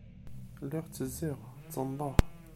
Lliɣ ttezziɣ, ttennḍeɣ.